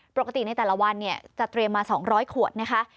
ปกติในแต่ละวันเนี่ยจะเตรียมมาสองร้อยขวดนะคะ